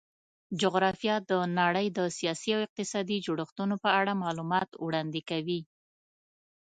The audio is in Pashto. جغرافیه د نړۍ د سیاسي او اقتصادي جوړښتونو په اړه معلومات وړاندې کوي.